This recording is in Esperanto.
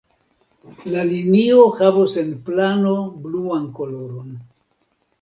La linio havos en plano bluan koloron.